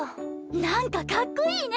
なんかかっこいいね！